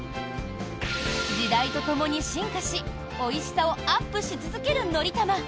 時代とともに進化しおいしさをアップし続ける「のりたま」。